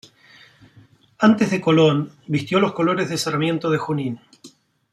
Antes de Colón vistió los colores de Sarmiento de Junín.